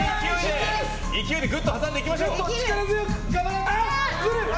勢いでぐっと挟んでいきましょう！